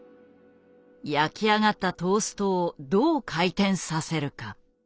焼き上がったトーストをどう回転させるか。